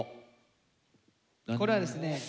これはですね。